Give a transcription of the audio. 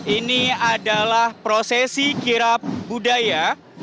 ini adalah prosesi kirap budaya